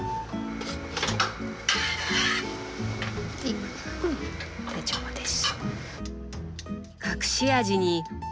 はいうん大丈夫です。